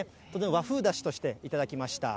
和風だしとして頂きました。